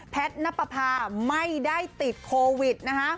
แพทนปภาไม่ได้ติดโควิดนะฮะ